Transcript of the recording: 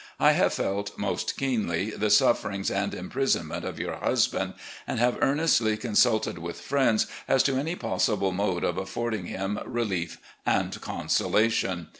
I have felt most keenly the sufferings and imprisonment of your husband, and have earnestly con sulted with friends as to any possible mode of affording him relief and consolation.